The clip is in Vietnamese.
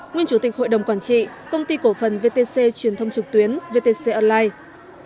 nguyên chủ tịch hội đồng quản trị công ty cổ phần vtc truyền thông trực tuyến vtc online